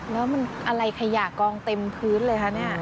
แล้วมันอะไรขยะกองเต็มพื้นเลยคะเนี่ย